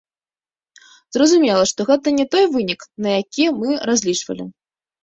Зразумела, што гэта не той вынік, на які мы разлічвалі.